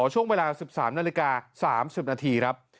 ช่วงเวลา๑๓นาฬิกา๓๐นาทีครับ